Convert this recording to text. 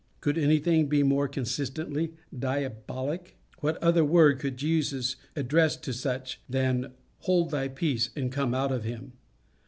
Could anything be more consistently diabolic? What other word could Jesus address to such than, "Hold thy peace, and come out of him"?